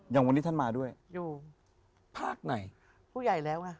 อย่างวันนี้ท่านมาด้วยอยู่ภาคไหนผู้ใหญ่แล้วไง